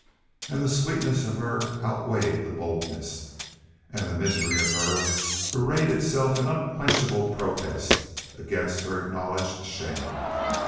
And the sweetness of her outweighed the boldness. And the mystery of her arrayed itself in unquenchable protest against her acknowledged shame.